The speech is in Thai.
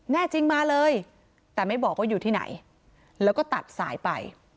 แน่จริงมาเลยแต่ไม่บอกว่าอยู่ที่ไหนแล้วก็ตัดสายไป